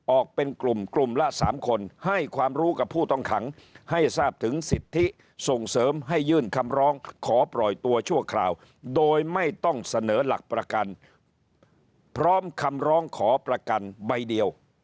ออกเป็นกลุ่มกลุ่มละ๓คนให้ความรู้กับผู้ต้องขังให้ทราบถึงสิทธิส่งเสริมให้ยื่นคำร้องขอปล่อยตัวชั่วคราวโดยไม่ต้องเสนอหลักประกันพร้อมคำร้องขอประกันใบเดียว